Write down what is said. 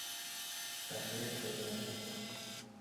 قهوه پررنگ